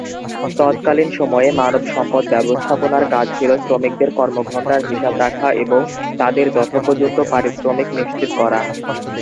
তৎকালীন সময়ে মানব সম্পদ ব্যবস্থাপনার কাজ ছিল শ্রমিকদের কর্ম-ঘণ্টার হিসাব রাখা এবং তাদের যথোপযুক্ত পারিশ্রমিক নিশ্চিত করা।